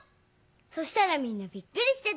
そしたらみんなびっくりしてた。